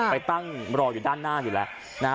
ไปตั้งรออยู่ด้านหน้าอยู่แล้ว